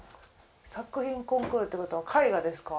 作品コンクールってことは絵画ですか？